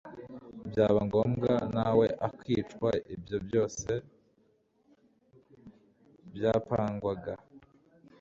byaba ngombwa nawe akicwa ibyo byose byapangwaga